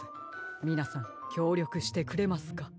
みなさんきょうりょくしてくれますか？